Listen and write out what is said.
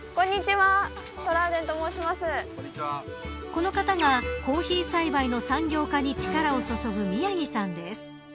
この方がコーヒー栽培の産業化に力を注ぐ宮城さんです。